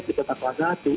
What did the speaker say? di kota kelas satu